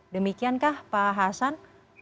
demikian kah pak hasan